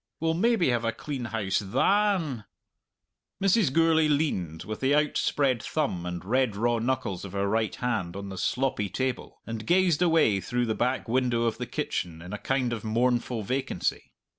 We'll maybe have a clean house than." Mrs. Gourlay leaned, with the outspread thumb and red raw knuckles of her right hand, on the sloppy table, and gazed away through the back window of the kitchen in a kind of mournful vacancy.